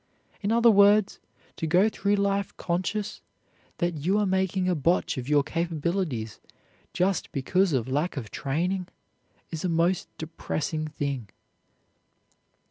In other words, to go through life conscious that you are making a botch of your capabilities just because of lack of training, is a most depressing thing.